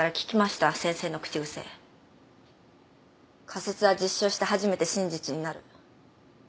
仮説は実証して初めて真実になる。